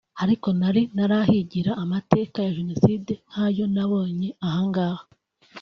ariko nari ntarahigira amateka ya Jenoside nk’ayo nabonye ahangaha